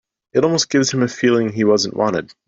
It almost gives him a feeling he wasn't wanted.